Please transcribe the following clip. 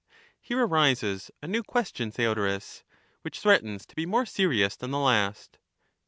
Here arises a new question, Theodorus, which threatens to be more serious than the last.